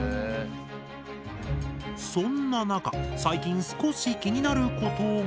そんな中最近少し気になることが。